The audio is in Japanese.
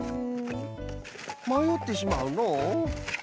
まよってしまうのう。